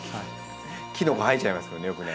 キノコ生えちゃいますよねよくね。